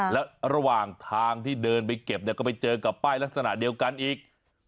แล้วระหว่างทางที่เดินไปเก็บก็ไปเจอกับป้ายลักษณะเดียวกันอีก